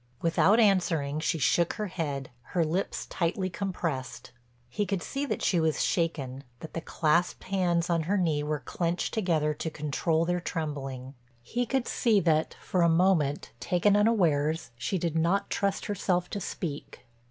Without answering she shook her head, her lips tightly compressed. He could see that she was shaken, that the clasped hands on her knee were clenched together to control their trembling. He could see that, for a moment, taken unawares, she did not trust herself to speak.